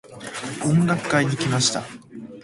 音楽会に行きました。